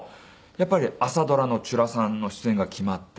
やっぱり朝ドラの『ちゅらさん』の出演が決まって。